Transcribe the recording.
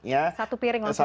satu piring langsung kenyang